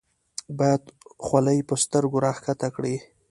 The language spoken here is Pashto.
بیا خولۍ په سترګو راښکته کړي.